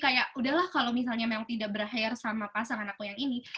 kayak udahlah kalau misalnya memang tidak berakhir sama pasangan aku yang ini